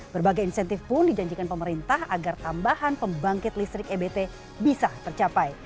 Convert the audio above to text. berbagai insentif pun dijanjikan pemerintah agar tambahan pembangkit listrik ebt bisa tercapai